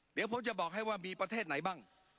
เดี๋ยวผมจะบอกให้ว่ามีประเทศไหนบ้าง